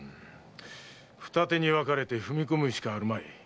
二手に分かれて踏み込むしかあるまい。